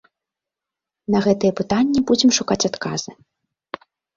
На гэтыя пытанні будзем шукаць адказы.